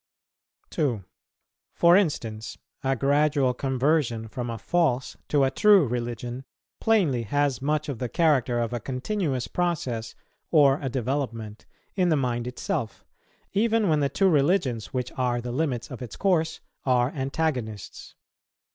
2. For instance, a gradual conversion from a false to a true religion, plainly, has much of the character of a continuous process, or a development, in the mind itself, even when the two religions, which are the limits of its course, are antagonists.